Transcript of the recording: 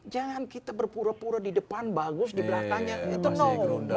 jangan kita berpura pura di depan bagus di belakangnya itu nol